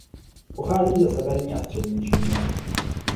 Pochází ze severní a střední Číny.